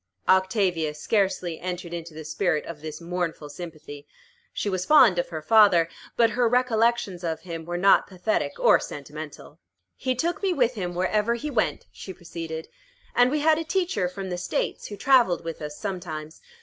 Octavia scarcely entered into the spirit of this mournful sympathy. She was fond of her father, but her recollections of him were not pathetic or sentimental. "He took me with him wherever he went," she proceeded. "And we had a teacher from the States, who travelled with us sometimes.